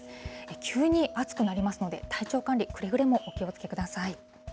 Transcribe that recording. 急に暑くなりますので、体調管理、くれぐれもお気をつけください。